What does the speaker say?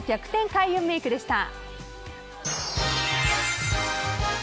開運メイクでした。